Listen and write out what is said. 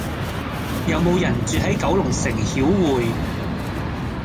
有無人住喺九龍城曉薈？